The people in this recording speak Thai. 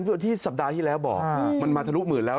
ที่สัปดาห์ที่แล้วบอกมันมาทะลุหมื่นแล้ว